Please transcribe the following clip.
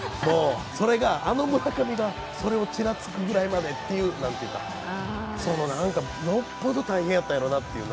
それが、あの村上が、それをちらつくぐらいまでというなんていうか、よっぽど大変だったんだろうなって